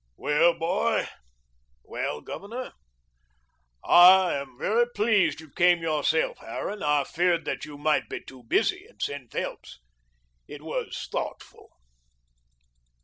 "Well, boy." "Well, Governor." "I am very pleased you came yourself, Harran. I feared that you might be too busy and send Phelps. It was thoughtful."